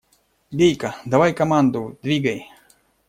Гейка, давай команду, двигай!